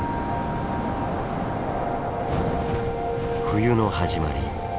冬の始まり。